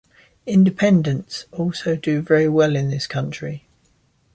Independents also do very well in this county.